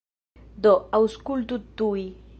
Do, aŭskultu tuj!